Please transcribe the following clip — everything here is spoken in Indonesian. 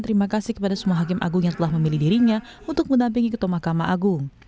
terima kasih kepada semua hakim agung yang telah memilih dirinya untuk mendampingi ketua mahkamah agung